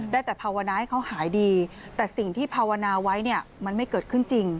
ได้แต่ภาวนาให้เขาหายดีแต่สิ่งที่ภาวนาไว้เนี่ยมันไม่เกิดขึ้นจริง